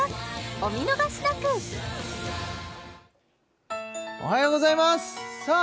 お見逃しなくおはようございますさあ